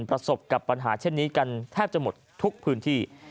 ประสบกับปัญหาเช่นนี้กันแทบจะหมดทุกพื้นที่